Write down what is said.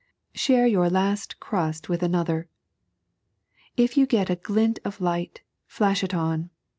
Share your last crust with another. If you get a glint of light, flash it on.